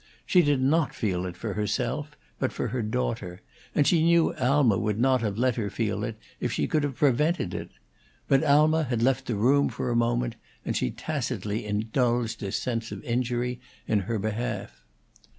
She did not feel it for herself, but for her daughter; and she knew Alma would not have let her feel it if she could have prevented it. But Alma had left the room for a moment, and she tacitly indulged this sense of injury in her behalf.